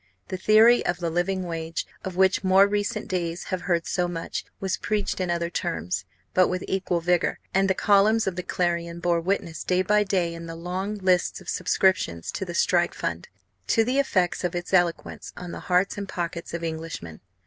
The theory of the "living wage," of which more recent days have heard so much, was preached in other terms, but with equal vigour; and the columns of the Clarion bore witness day by day in the long lists of subscriptions to the strike fund, to the effects of its eloquence on the hearts and pockets of Englishmen.